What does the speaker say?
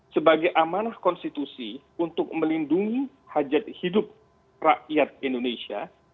sebagai amanah konstitusi untuk melindungi hajat hidup rakyat indonesia